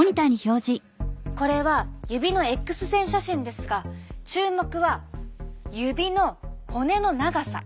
これは指のＸ線写真ですが注目は指の骨の長さ。